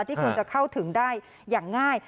ที่คุณจะเข้าถึงได้อย่างง่าย